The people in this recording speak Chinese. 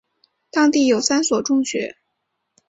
当地有三所中学。